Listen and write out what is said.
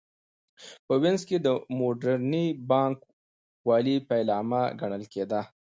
په وینز کې د موډرنې بانک والۍ پیلامه ګڼل کېده